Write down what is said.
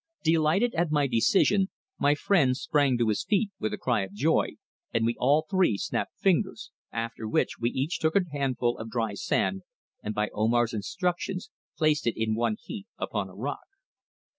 Delighted at my decision my friend sprang to his feet with a cry of joy, and we all three snapped fingers, after which we each took a handful of dry sand and by Omar's instructions placed it in one heap upon a rock.